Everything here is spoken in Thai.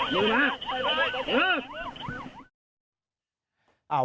ลูกเบา